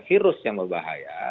virus yang berbahaya